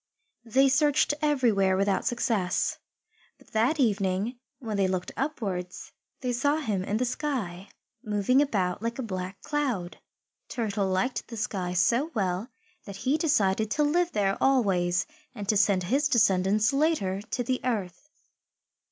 They searched everywhere without success. But that evening, when they looked upwards, they saw him in the sky, moving about like a black cloud. Turtle liked the sky so well that he decided to live there always and to send his descendants, later, to the earth.